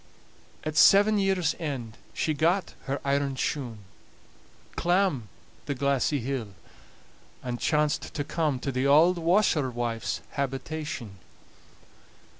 At seven years' end she got her iron shoon, clamb the glassy hill, and chanced to come to the auld washerwife's habitation.